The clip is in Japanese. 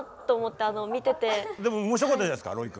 でも面白かったじゃないですかロイ君。